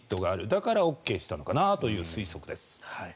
だからＯＫしたのかなという推測です。